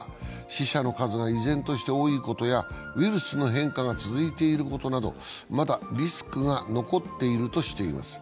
死者の数が依然として多いことやウイルスの変化が続いていることなどまだリスクが残っているとしています。